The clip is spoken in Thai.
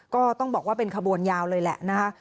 ก็ต้องบอกว่าเป็นขบวนยาวเลยแหละนะคะ